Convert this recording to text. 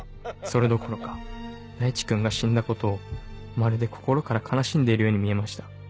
それどころか大地君が死んだことをまるで心から悲しんでいるように見えました。